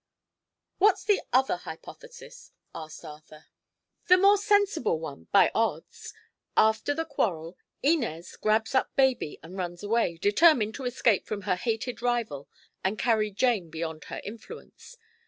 "What's the other hypothesis?" asked Arthur. "The more sensible one, by odds. After the quarrel, Inez grabs up baby and runs away, determined to escape from her hated rival and carry Jane beyond her influence.